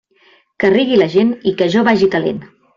Que rigui la gent i que jo vagi calent.